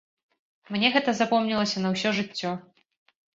Мне гэта запомнілася на ўсё жыццё.